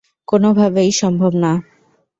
কোনভাবেই সম্ভব না।